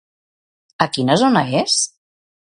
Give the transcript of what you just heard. A quina zona és?